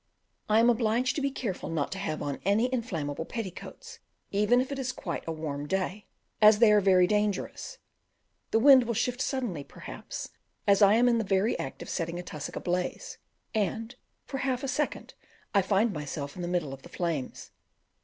I am obliged to be careful not to have on any inflammable petticoats, even if it is quite a warm day, as they are very dangerous; the wind will shift suddenly perhaps as, I am in the very act of setting a tussock a blaze, and for half a second I find myself in the middle of the flames.